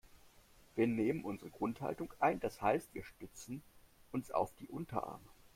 Wir nehmen unsere Grundhaltung ein, das heißt wir stützen uns auf die Unterarme.